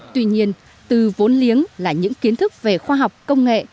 tuy nhiên từ vốn liếng là những kiến thức về khoa học công nghệ